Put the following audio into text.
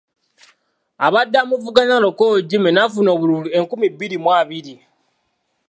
Abadde amuvuganya Lokor Jimmy n'afuna obululu enkumi bibiri mu abiri.